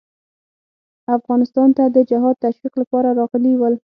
افغانستان ته د جهاد تشویق لپاره راغلي ول.